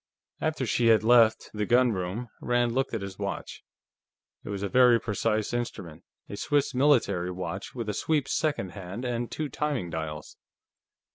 After she had left the gunroom, Rand looked at his watch. It was a very precise instrument; a Swiss military watch, with a sweep second hand, and two timing dials.